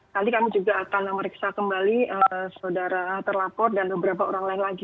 nanti kami juga akan memeriksa kembali saudara terlapor dan beberapa orang lain lagi